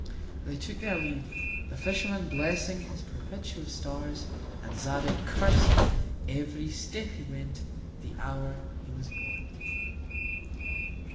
They took their Leave; the Fisherman blessing his propitious Stars, and Zadig cursing, every Step he went, the Hour he was born.